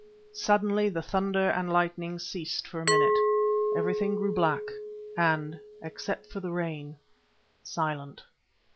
Suddenly the thunder and lightning ceased for a minute, everything grew black, and, except for the rain, silent.